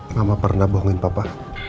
mama pernah bohongin papa